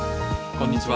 こんにちは。